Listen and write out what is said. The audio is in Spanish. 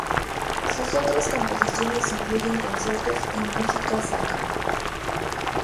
Sus otras composiciones incluyen conciertos y música sacra.